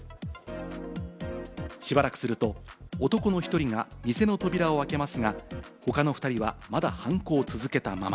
しばらくすると男の１人が店の扉を開けますが、他の２人はまだ犯行を続けたまま。